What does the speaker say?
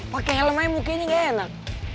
pake helm aja mukanya gak enak